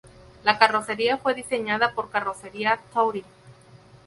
La carrocería fue diseñada por Carrozzeria Touring.